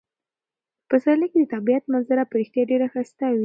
په پسرلي کې د طبیعت منظره په رښتیا ډیره ښایسته وي.